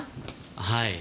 はい。